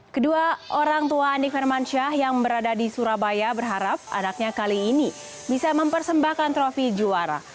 kedua orang tua andik firmansyah yang berada di surabaya berharap anaknya kali ini bisa mempersembahkan trofi juara